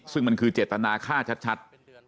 ซึ่งมันคือเจตนาฆ่าชัด